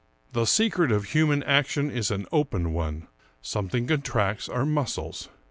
The secret of human action is an open one — something contracts our muscles.